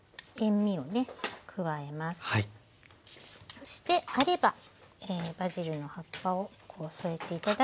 そしてあればバジルの葉っぱを添えて頂くと。